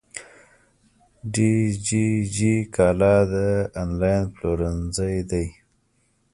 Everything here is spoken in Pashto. دیجیجی کالا د انلاین پلورنځی دی.